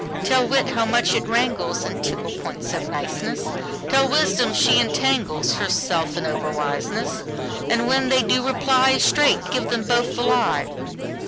Tell wit how much it wranglesIn tickle points of niceness; Tell wisdom she entanglesHerself in over wiseness:And when they do reply, Straight give them both the lie.